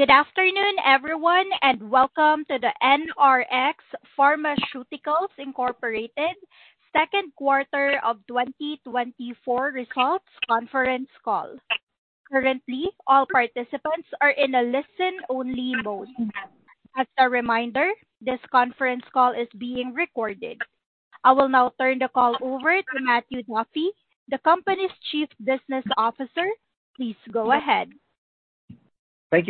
Good afternoon, everyone, and welcome to the NRx Pharmaceuticals Incorporated Q2 of 2024 Results Conference Call. Currently, all participants are in a listen-only mode. As a reminder, this conference call is being recorded. I will now turn the call over to Matthew Duffy, the company's Chief Business Officer. Please go ahead. Thank you,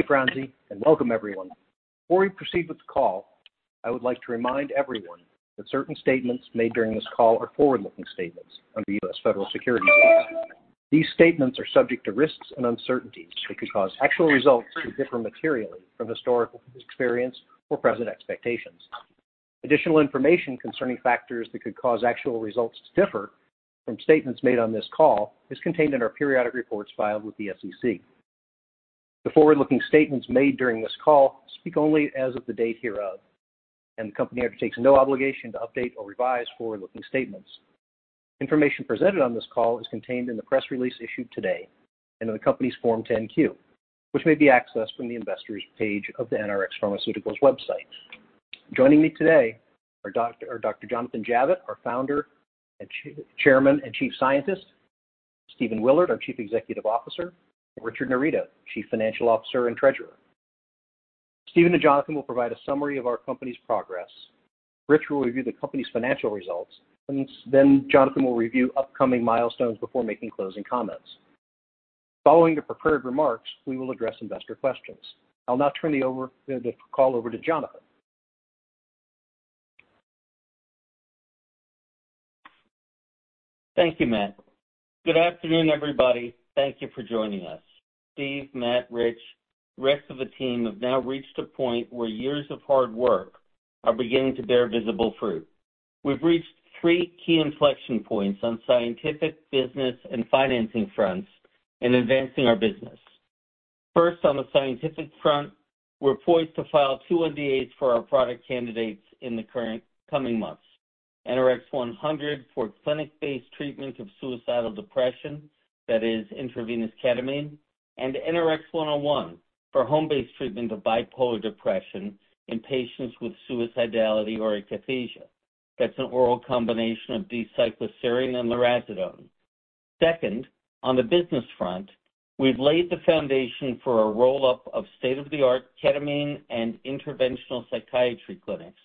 Franzi, and welcome everyone. Before we proceed with the call, I would like to remind everyone that certain statements made during this call are forward-looking statements under U.S. Federal Securities laws. These statements are subject to risks and uncertainties that could cause actual results to differ materially from historical experience or present expectations. Additional information concerning factors that could cause actual results to differ from statements made on this call is contained in our periodic reports filed with the SEC. The forward-looking statements made during this call speak only as of the date hereof, and the company undertakes no obligation to update or revise forward-looking statements. Information presented on this call is contained in the press release issued today and in the company's Form 10-Q, which may be accessed from the investors page of the NRx Pharmaceuticals website. Joining me today are Doctor Jonathan Javitt, our founder and chairman and chief scientist, Stephen Willard, our Chief Executive Officer, and Richard Narido, Chief Financial Officer and Treasurer. Stephen and Jonathan will provide a summary of our company's progress. Rich will review the company's financial results, and then Jonathan will review upcoming milestones before making closing comments. Following the prepared remarks, we will address investor questions. I'll now turn the call over to Jonathan. Thank you, Matt. Good afternoon, everybody. Thank you for joining us. Steve, Matt, Rich, rest of the team have now reached a point where years of hard work are beginning to bear visible fruit. We've reached three key inflection points on scientific, business and financing fronts in advancing our business. First, on the scientific front, we're poised to file two NDAs for our product candidates in the current coming months. NRX-100 for clinic-based treatment of suicidal depression, that is intravenous ketamine, and NRX-101 for home-based treatment of bipolar depression in patients with suicidality or akathisia. That's an oral combination of D-cycloserine and lurasidone. Second, on the business front, we've laid the foundation for a roll-up of state-of-the-art ketamine and interventional psychiatry clinics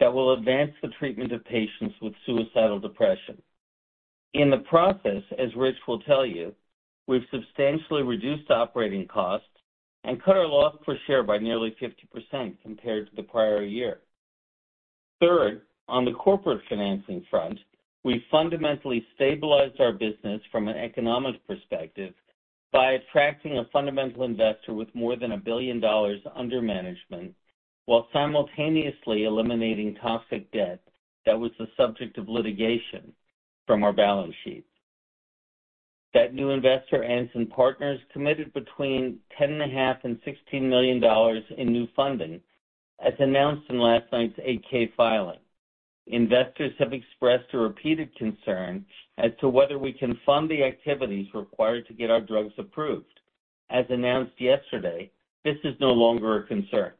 that will advance the treatment of patients with suicidal depression. In the process, as Rich will tell you, we've substantially reduced operating costs and cut our loss per share by nearly 50% compared to the prior year. Third, on the corporate financing front, we've fundamentally stabilized our business from an economic perspective by attracting a fundamental investor with more than $1 billion under management, while simultaneously eliminating toxic debt that was the subject of litigation from our balance sheet. That new investor, Anson Funds, committed between $10.5 million and $16 million in new funding, as announced in last night's 8-K filing. Investors have expressed a repeated concern as to whether we can fund the activities required to get our drugs approved. As announced yesterday, this is no longer a concern.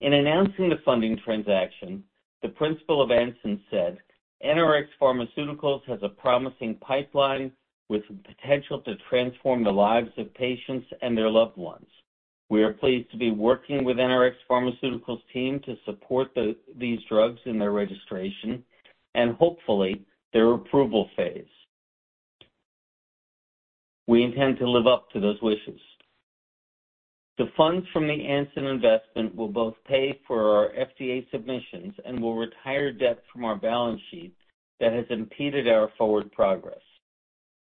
In announcing the funding transaction, the principal of Anson said: "NRx Pharmaceuticals has a promising pipeline with the potential to transform the lives of patients and their loved ones. We are pleased to be working with NRx Pharmaceuticals team to support these drugs in their registration and hopefully their approval phase." We intend to live up to those wishes. The funds from the Anson investment will both pay for our FDA submissions and will retire debt from our balance sheet that has impeded our forward progress.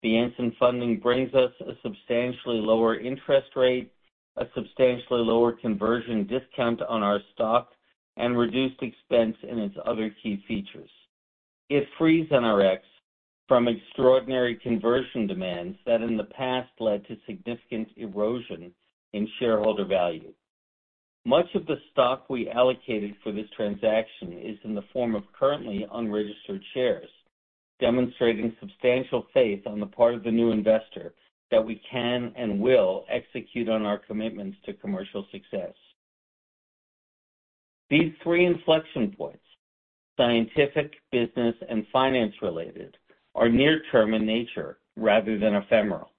The Anson funding brings us a substantially lower interest rate, a substantially lower conversion discount on our stock, and reduced expense in its other key features. It frees NRX from extraordinary conversion demands that, in the past, led to significant erosion in shareholder value. Much of the stock we allocated for this transaction is in the form of currently unregistered shares, demonstrating substantial faith on the part of the new investor that we can and will execute on our commitments to commercial success. These three inflection points, scientific, business and finance related, are near-term in nature rather than ephemeral.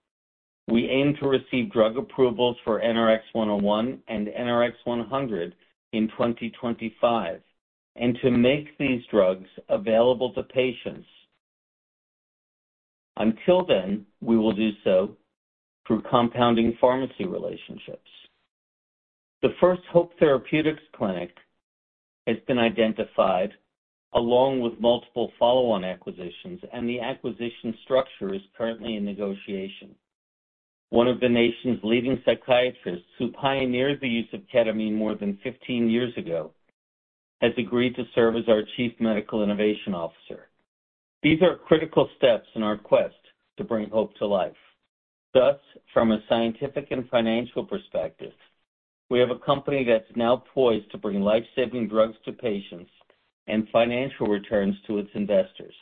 We aim to receive drug approvals for NRX-101 and NRX-100 in 2025 and to make these drugs available to patients. Until then, we will do so through compounding pharmacy relationships. The first Hope Therapeutics clinic has been identified, along with multiple follow-on acquisitions, and the acquisition structure is currently in negotiation. One of the nation's leading psychiatrists, who pioneered the use of ketamine more than 15 years ago, has agreed to serve as our Chief Medical Innovation Officer. These are critical steps in our quest to bring hope to life. Thus, from a scientific and financial perspective, we have a company that's now poised to bring life-saving drugs to patients and financial returns to its investors.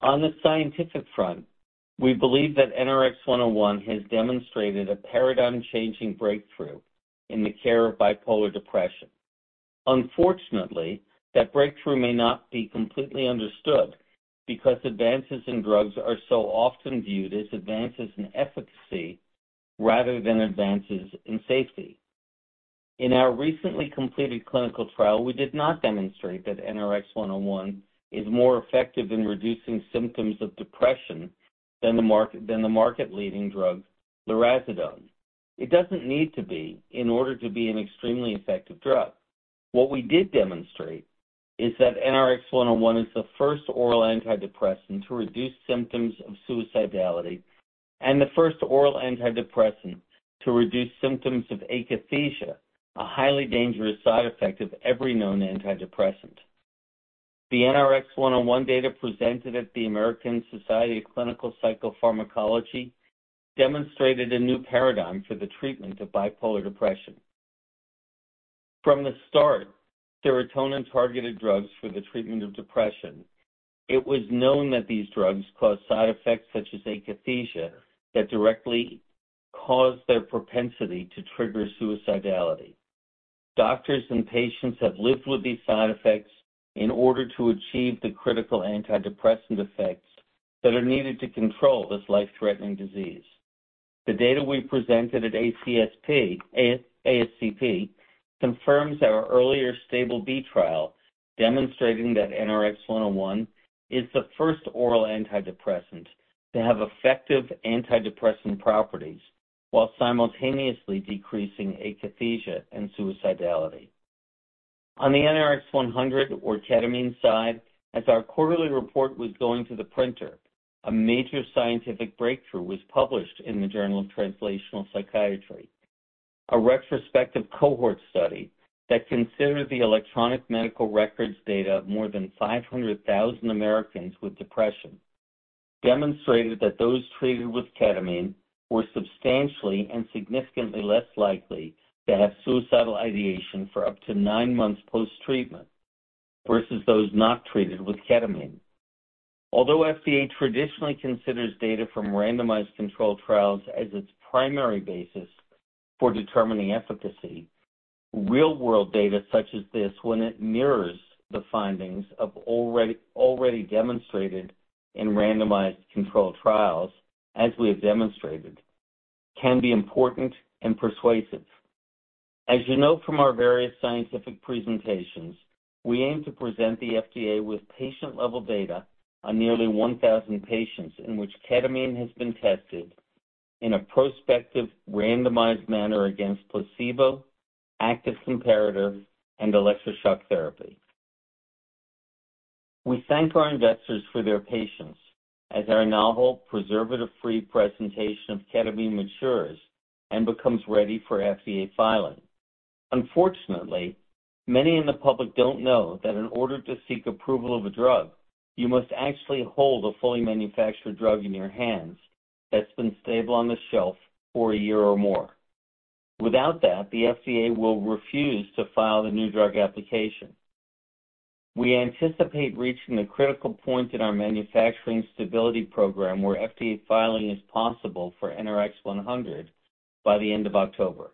On the scientific front, we believe that NRX-101 has demonstrated a paradigm-changing breakthrough in the care of bipolar depression. Unfortunately, that breakthrough may not be completely understood, because advances in drugs are so often viewed as advances in efficacy rather than advances in safety. In our recently completed clinical trial, we did not demonstrate that NRX-101 is more effective in reducing symptoms of depression than the market, than the market-leading drug, lurasidone. It doesn't need to be in order to be an extremely effective drug. What we did demonstrate is that NRX-101 is the first oral antidepressant to reduce symptoms of suicidality and the first oral antidepressant to reduce symptoms of akathisia, a highly dangerous side effect of every known antidepressant. The NRX-101 data presented at the American Society of Clinical Psychopharmacology demonstrated a new paradigm for the treatment of bipolar depression. From the start, serotonin-targeted drugs for the treatment of depression, it was known that these drugs caused side effects such as akathisia, that directly caused their propensity to trigger suicidality. Doctors and patients have lived with these side effects in order to achieve the critical antidepressant effects that are needed to control this life-threatening disease. The data we presented at ASCP confirms our earlier STABIL-B trial, demonstrating that NRX-101 is the first oral antidepressant to have effective antidepressant properties, while simultaneously decreasing akathisia and suicidality. On the NRX-100 or ketamine side, as our quarterly report was going to the printer, a major scientific breakthrough was published in the Journal of Translational Psychiatry. A retrospective cohort study that considered the electronic medical records data of more than 500,000 Americans with depression demonstrated that those treated with ketamine were substantially and significantly less likely to have suicidal ideation for up to nine months post-treatment versus those not treated with ketamine. Although FDA traditionally considers data from randomized controlled trials as its primary basis for determining efficacy, real-world data such as this, when it mirrors the findings already demonstrated in randomized controlled trials, as we have demonstrated, can be important and persuasive. As you know from our various scientific presentations, we aim to present the FDA with patient-level data on nearly 1,000 patients in which ketamine has been tested in a prospective, randomized manner against placebo, active comparator, and electroshock therapy. We thank our investors for their patience as our novel, preservative-free presentation of ketamine matures and becomes ready for FDA filing. Unfortunately, many in the public don't know that in order to seek approval of a drug, you must actually hold a fully manufactured drug in your hands that's been stable on the shelf for a year or more. Without that, the FDA will refuse to file the new drug application. We anticipate reaching the critical point in our manufacturing stability program, where FDA filing is possible for NRX-100 by the end of October.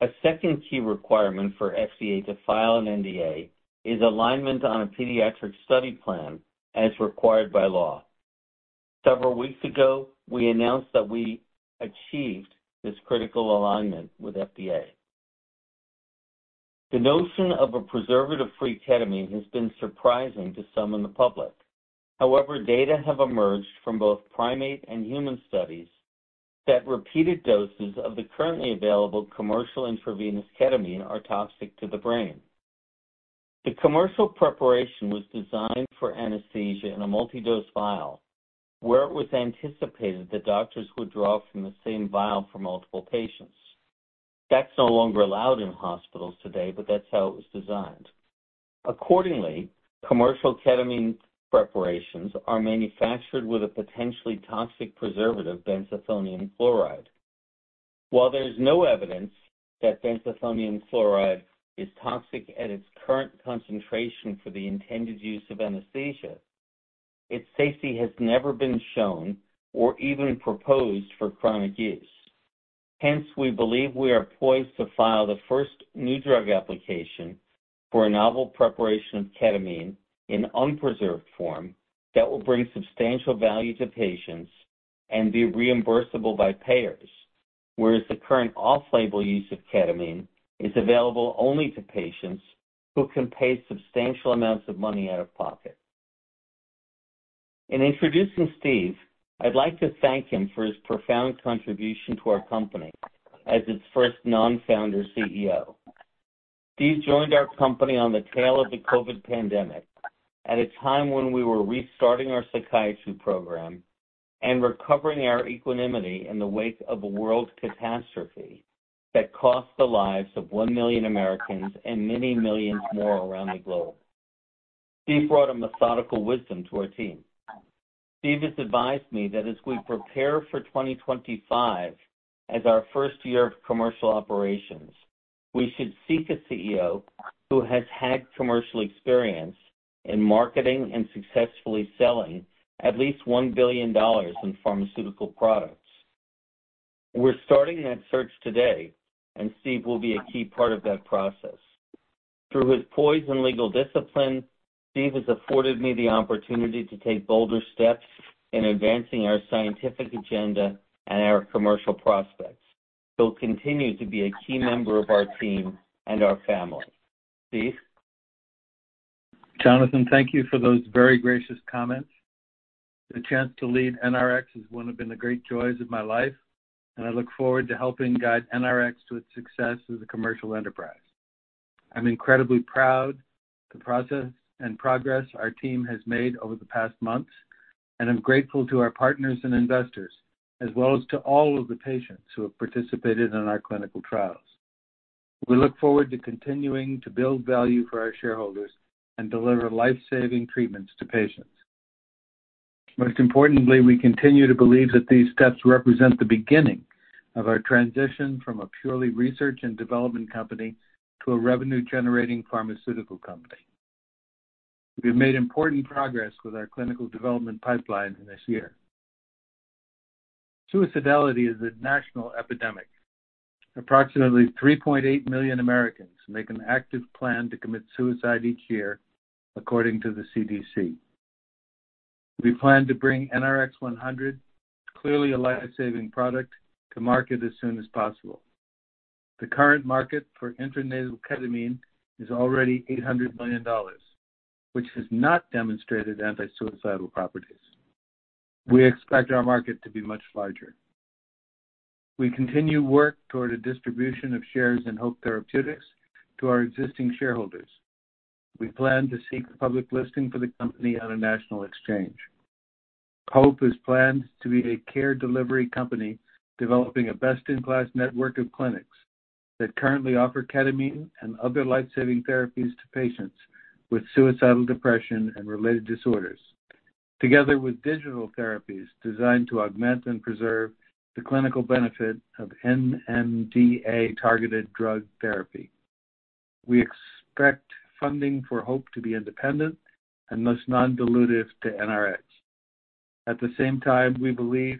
A second key requirement for FDA to file an NDA is alignment on a pediatric study plan as required by law. Several weeks ago, we announced that we achieved this critical alignment with FDA. The notion of a preservative-free ketamine has been surprising to some in the public. However, data have emerged from both primate and human studies that repeated doses of the currently available commercial intravenous ketamine are toxic to the brain. The commercial preparation was designed for anesthesia in a multi-dose vial, where it was anticipated that doctors would draw from the same vial for multiple patients. That's no longer allowed in hospitals today, but that's how it was designed. Accordingly, commercial Ketamine preparations are manufactured with a potentially toxic preservative, benzethonium chloride. While there's no evidence that benzethonium chloride is toxic at its current concentration for the intended use of anesthesia, its safety has never been shown or even proposed for chronic use. Hence, we believe we are poised to file the first New Drug Application for a novel preparation of ketamine in unpreserved form that will bring substantial value to patients and be reimbursable by payers. Whereas the current off-label use of ketamine is available only to patients who can pay substantial amounts of money out of pocket. In introducing Steve, I'd like to thank him for his profound contribution to our company as its first non-founder CEO. Steve joined our company on the tail of the COVID pandemic, at a time when we were restarting our psychiatry program and recovering our equanimity in the wake of a world catastrophe that cost the lives of 1 million Americans and many millions more around the globe. Steve brought a methodical wisdom to our team. Steve has advised me that as we prepare for 2025 as our first year of commercial operations, we should seek a CEO who has had commercial experience in marketing and successfully selling at least $1 billion in pharmaceutical products. We're starting that search today, and Steve will be a key part of that process. Through his poise and legal discipline, Steve has afforded me the opportunity to take bolder steps in advancing our scientific agenda and our commercial prospects. He'll continue to be a key member of our team and our family. Steve? Jonathan, thank you for those very gracious comments. The chance to lead NRX has been one of the great joys of my life, and I look forward to helping guide NRX to its success as a commercial enterprise. I'm incredibly proud of the process and progress our team has made over the past months, and I'm grateful to our partners and investors, as well as to all of the patients who have participated in our clinical trials. We look forward to continuing to build value for our shareholders and deliver life-saving treatments to patients. Most importantly, we continue to believe that these steps represent the beginning of our transition from a purely research and development company to a revenue-generating pharmaceutical company. We've made important progress with our clinical development pipeline this year. Suicidality is a national epidemic. Approximately 3.8 million Americans make an active plan to commit suicide each year, according to the CDC. We plan to bring NRX-100, clearly a life-saving product, to market as soon as possible. The current market for intranasal ketamine is already $800 million, which has not demonstrated anti-suicidal properties. We expect our market to be much larger. We continue work toward a distribution of shares in Hope Therapeutics to our existing shareholders. We plan to seek public listing for the company on a national exchange. Hope is planned to be a care delivery company, developing a best-in-class network of clinics that currently offer ketamine and other life-saving therapies to patients with suicidal depression and related disorders, together with digital therapies designed to augment and preserve the clinical benefit of NMDA-targeted drug therapy. We expect funding for Hope to be independent and most non-dilutive to NRX. At the same time, we believe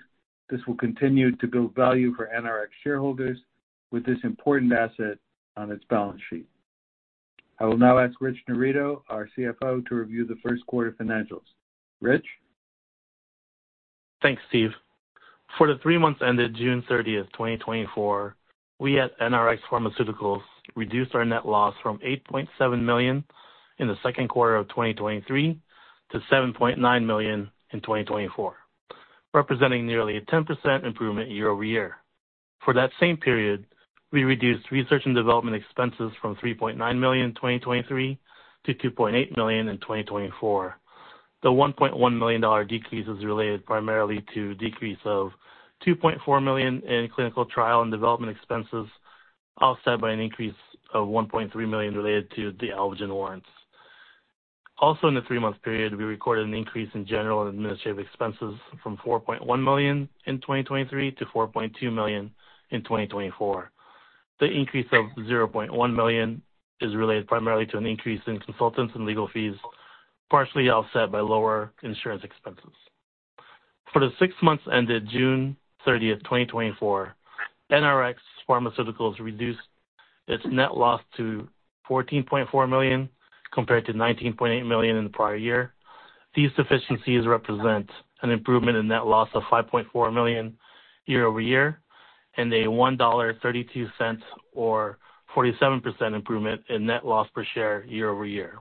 this will continue to build value for NRx shareholders with this important asset on its balance sheet. I will now ask Rich Narido, our CFO, to review the Q1 financials. Rich? Thanks, Steve. For the three months ended June 30th, 2024, we at NRx Pharmaceuticals reduced our net loss from $8.7 million in the Q2 of 2023 to $7.9 million in 2024, representing nearly a 10% improvement year-over-year. For that same period, we reduced research and development expenses from $3.9 million in 2023 to $2.8 million in 2024. The $1.1 million decrease is related primarily to decrease of $2.4 million in clinical trial and development expenses, offset by an increase of $1.3 million related to the Aljem warrants. Also, in the three-month period, we recorded an increase in general and administrative expenses from $4.1 million in 2023 to $4.2 million in 2024. The increase of $0.1 million is related primarily to an increase in consultants and legal fees, partially offset by lower insurance expenses. For the six months ended June 30th, 2024, NRx Pharmaceuticals reduced its net loss to $14.4 million, compared to $19.8 million in the prior year. These deficiencies represent an improvement in net loss of $5.4 million year-over-year, and a $1.32 or 47% improvement in net loss per share year-over-year.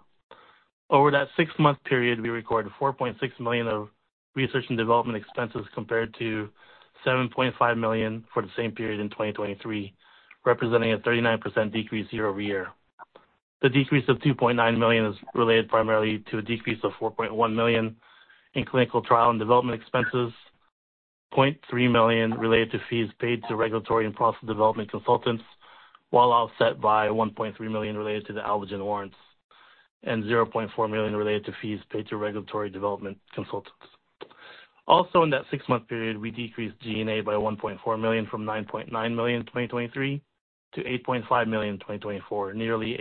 Over that six-month period, we recorded $4.6 million of research and development expenses, compared to $7.5 million for the same period in 2023, representing a 39% decrease year-over-year. The decrease of $2.9 million is related primarily to a decrease of $4.1 million in clinical trial and development expenses, $0.3 million related to fees paid to regulatory and process development consultants, while offset by $1.3 million related to the Aljem warrants, and $0.4 million related to fees paid to regulatory development consultants. Also, in that six-month period, we decreased G&A by $1.4 million, from $9.9 million in 2023 to $8.5 million in 2024, nearly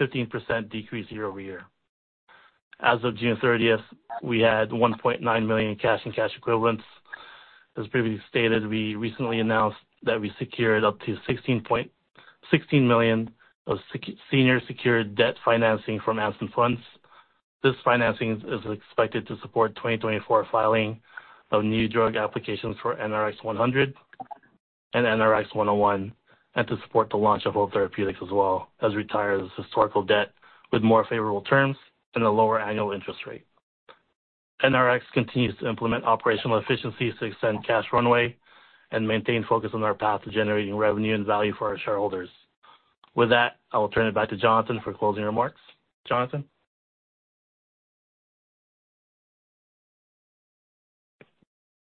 a 15% decrease year-over-year. As of June 30th, we had $1.9 million in cash and cash equivalents. As previously stated, we recently announced that we secured up to $16 million of senior secured debt financing from Anson Funds. This financing is expected to support 2024 filing of new drug applications for NRX-100 and NRX-101, and to support the launch of Hope Therapeutics as well as retire its historical debt with more favorable terms and a lower annual interest rate. NRX continues to implement operational efficiencies to extend cash runway and maintain focus on our path to generating revenue and value for our shareholders. With that, I will turn it back to Jonathan for closing remarks. Jonathan?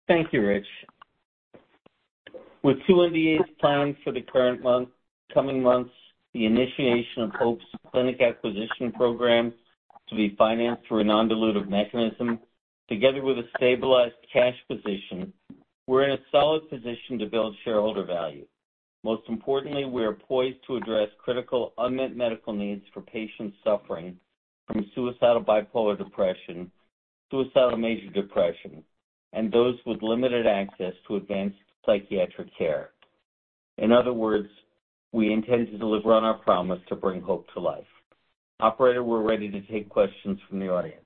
With 2 NDAs planned for the current month, coming months, the initiation of Hope's clinic acquisition program to be financed through a non-dilutive mechanism, together with a stabilized cash position, we're in a solid position to build shareholder value. Most importantly, we are poised to address critical unmet medical needs for patients suffering from suicidal bipolar depression, suicidal major depression, and those with limited access to advanced psychiatric care. In other words, we intend to deliver on our promise to bring hope to life. Operator, we're ready to take questions from the audience.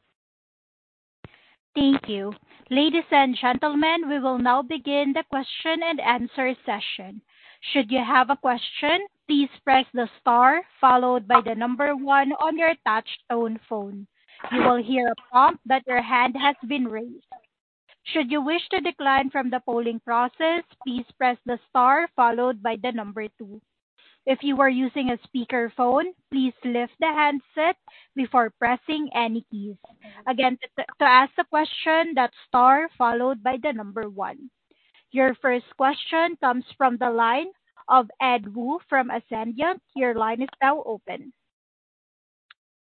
Thank you. Ladies and gentlemen, we will now begin the question and answer session. Should you have a question, please press the star followed by the number 1 on your touch tone phone. You will hear a prompt that your hand has been raised. Should you wish to decline from the polling process, please press the star followed by the number two. If you are using a speakerphone, please lift the handset before pressing any keys. Again, to ask a question, that's star followed by the number 1. Your first question comes from the line of Ed Woo from Ascendiant Capital Markets. Your line is now open.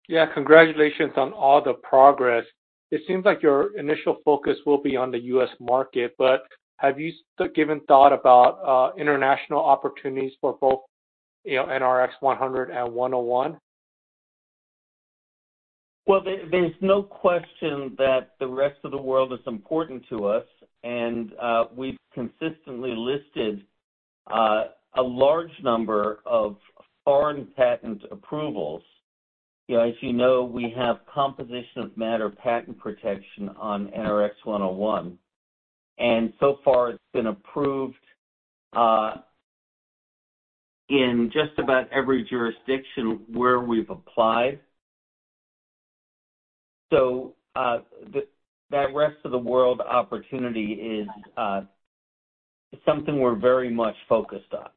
Yeah, congratulations on all the progress. It seems like your initial focus will be on the US market, but have you given thought about international opportunities for both, you know, NRX-100 and NRX-101? Well, there's no question that the rest of the world is important to us, and we've consistently listed a large number of foreign patent approvals. You know, as you know, we have composition of matter patent protection on NRX-101, and so far it's been approved in just about every jurisdiction where we've applied. So, that rest of the world opportunity is something we're very much focused on.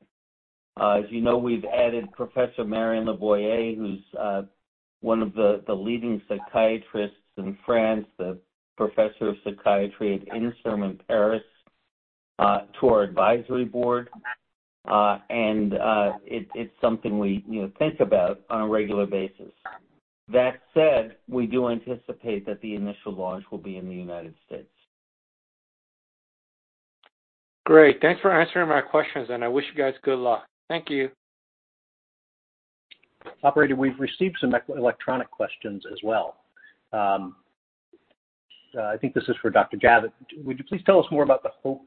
As you know, we've added Professor Marianne Leboyer, who's one of the leading psychiatrists in France, the professor of psychiatry at Inserm in Paris, to our advisory board. And it's something we, you know, think about on a regular basis. That said, we do anticipate that the initial launch will be in the United States. Great. Thanks for answering my questions, and I wish you guys good luck. Thank you. Operator, we've received some electronic questions as well. I think this is for Dr. Javitt. Would you please tell us more about the Hope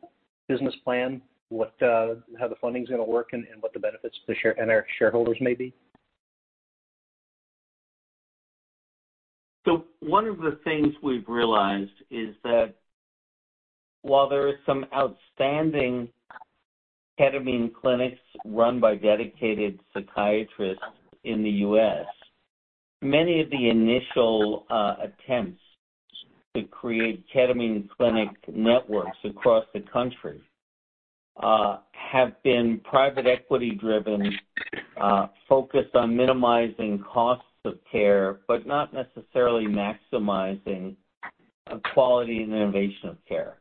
business plan, what how the funding is gonna work and what the benefits to shareholders and our shareholders may be? So one of the things we've realized is that while there is some outstanding ketamine clinics run by dedicated psychiatrists in the U.S., many of the initial attempts to create ketamine clinic networks across the country have been private equity driven, focused on minimizing costs of care, but not necessarily maximizing quality and innovation of care.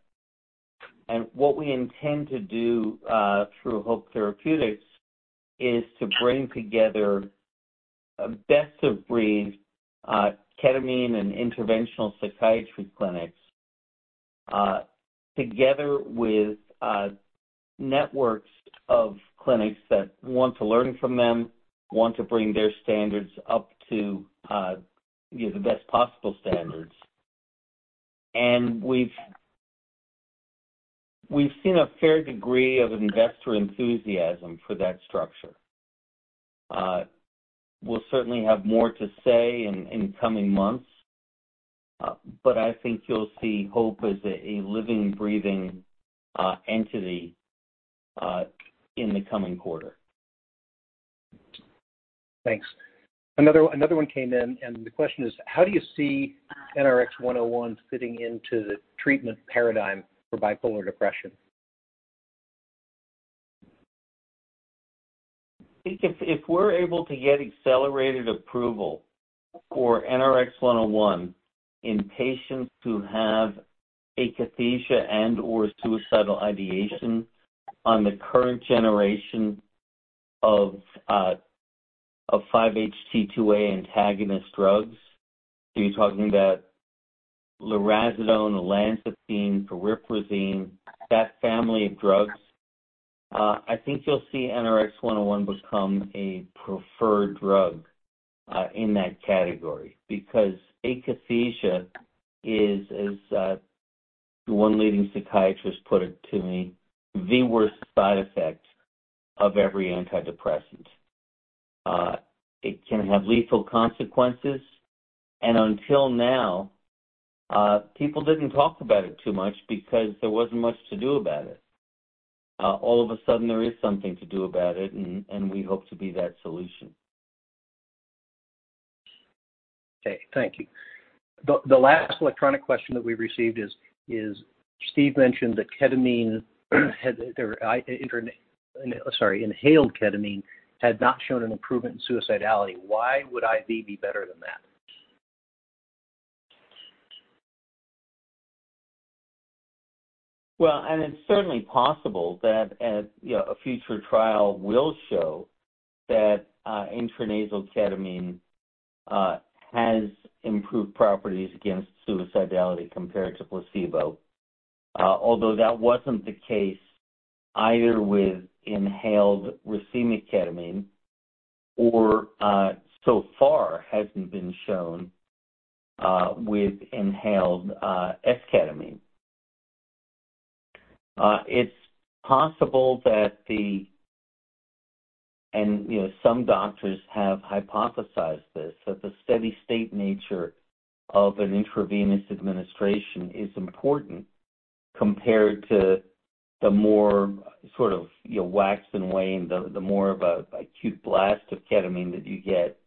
And what we intend to do through Hope Therapeutics is to bring together a best-of-breed ketamine and interventional psychiatry clinics together with networks of clinics that want to learn from them, want to bring their standards up to you know the best possible standards. And we've seen a fair degree of investor enthusiasm for that structure. We'll certainly have more to say in coming months, but I think you'll see Hope as a living, breathing entity in the coming quarter. Thanks. Another, another one came in, and the question is: How do you see NRX-101 fitting into the treatment paradigm for bipolar depression? I think if, if we're able to get accelerated approval for NRX-101 in patients who have akathisia and/or suicidal ideation on the current generation of, of 5-HT2A antagonist drugs, so you're talking about lurasidone, olanzapine, cariprazine, that family of drugs, I think you'll see NRX-101 become a preferred drug, in that category. Because akathisia is, as, one leading psychiatrist put it to me, the worst side effect of every antidepressant. It can have lethal consequences, and until now, people didn't talk about it too much because there wasn't much to do about it. All of a sudden, there is something to do about it, and, and we hope to be that solution. Okay, thank you. The last electronic question that we received is, Steve mentioned that inhaled ketamine had not shown an improvement in suicidality. Why would IV be better than that? Well, and it's certainly possible that a, you know, a future trial will show that, intranasal ketamine, has improved properties against suicidality compared to placebo. Although that wasn't the case either with inhaled racemic ketamine or, so far hasn't been shown, with inhaled, esketamine. It's possible that the and, you know, some doctors have hypothesized this, that the steady state nature of an intravenous administration is important compared to the more sort of, you know, waxed and waned, the more of a, acute blast of ketamine that you get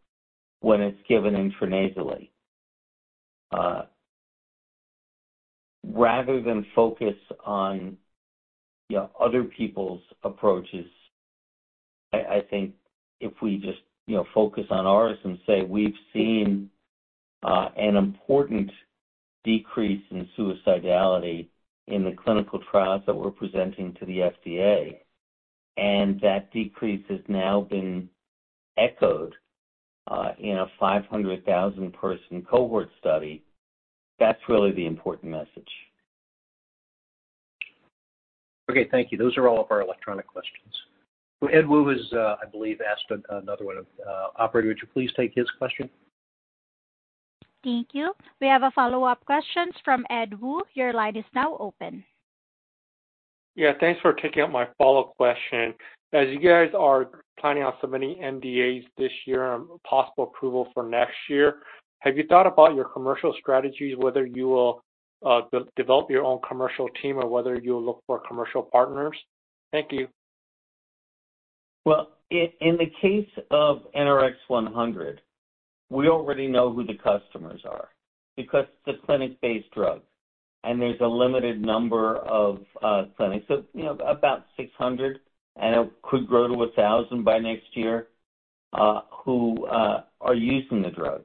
when it's given intranasally. Rather than focus on, you know, other people's approaches, I, I think if we just, you know, focus on ours and say we've seen an important decrease in suicidality in the clinical trials that we're presenting to the FDA, and that decrease has now been echoed in a 500,000-person cohort study, that's really the important message. Okay, thank you. Those are all of our electronic questions. So Ed Woo has, I believe, asked another one. Operator, would you please take his question? Thank you. We have a follow-up questions from Ed Woo. Your line is now open. Yeah, thanks for taking up my follow-up question. As you guys are planning on submitting NDAs this year and possible approval for next year, have you thought about your commercial strategies, whether you will develop your own commercial team or whether you'll look for commercial partners? Thank you. Well, in the case of NRX-100, we already know who the customers are because it's a clinic-based drug, and there's a limited number of clinics. So, you know, about 600, and it could grow to 1,000 by next year, who are using the drug.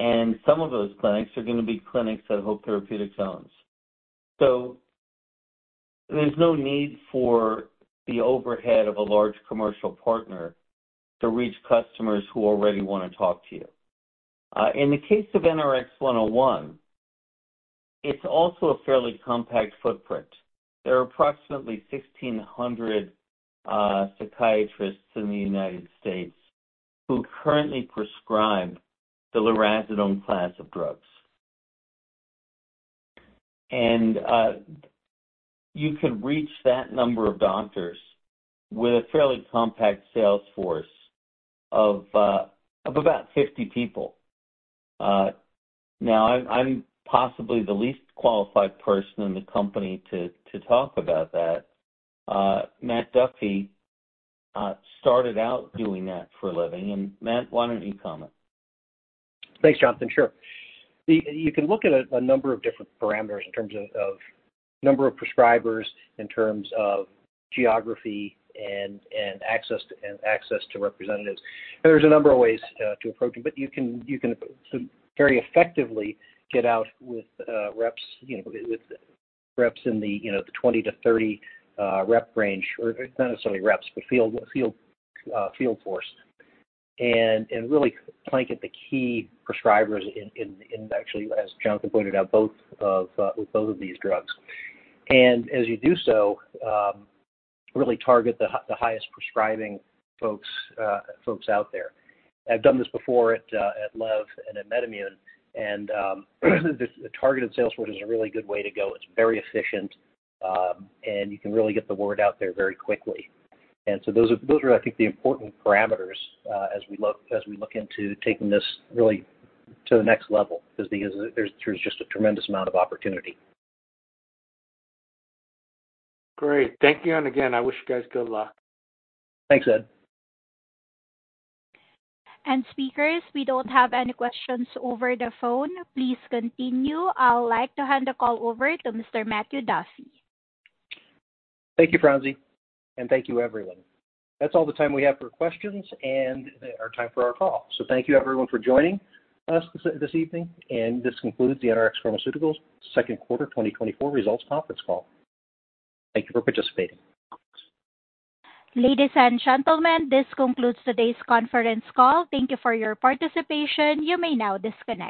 And some of those clinics are gonna be clinics that Hope Therapeutics owns. So there's no need for the overhead of a large commercial partner to reach customers who already wanna talk to you. In the case of NRX-101, it's also a fairly compact footprint. There are approximately 1,600 psychiatrists in the United States who currently prescribe the lurasidone class of drugs. And you could reach that number of doctors with a fairly compact sales force of about 50 people. Now, I'm possibly the least qualified person in the company to talk about that. Matt Duffy started out doing that for a living. Matt, why don't you comment? Thanks, Jonathan. Sure. You can look at a number of different parameters in terms of number of prescribers, in terms of geography and access to representatives. There's a number of ways to approach it, but you can very effectively get out with reps, you know, with reps in the, you know, the 20-30 rep range, or not necessarily reps, but field force, and really blanket the key prescribers in actually, as Jonathan pointed out, both of with both of these drugs. And as you do so, really target the highest prescribing folks out there. I've done this before at Lev and at MedImmune, and the targeted sales force is a really good way to go. It's very efficient, and you can really get the word out there very quickly. And so those are, I think, the important parameters, as we look into taking this really to the next level, because there's just a tremendous amount of opportunity. Great. Thank you, and again, I wish you guys good luck. Thanks, Ed. Speakers, we don't have any questions over the phone. Please continue. I'd like to hand the call over to Mr. Matthew Duffy. Thank you, Franzi, and thank you, everyone. That's all the time we have for questions and our time for our call. So thank you, everyone, for joining us this evening, and this concludes the NRx Pharmaceuticals Q2 2024 Results Conference Call. Thank you for participating. Ladies and gentlemen, this concludes today's conference call. Thank you for your participation. You may now disconnect.